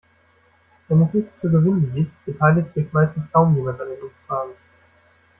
Wenn es nichts zu gewinnen gibt, beteiligt sich meistens kaum jemand an den Umfragen.